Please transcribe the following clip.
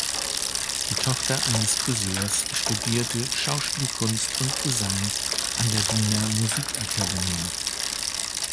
Die Tochter eines Friseurs studierte Schauspielkunst und Gesang an der Wiener Musikakademie.